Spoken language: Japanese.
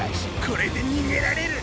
これでにげられる！